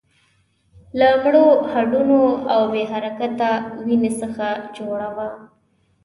له مړو هډونو او بې حرکته وينې څخه جوړه وه.